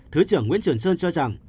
thứ trưởng nguyễn trường sơn cho rằng